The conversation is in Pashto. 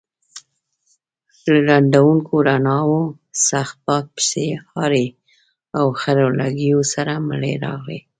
له ړندونکو رڼاوو، سخت باد، پښې هارې او خړو لوګیو سره ملې راغلې.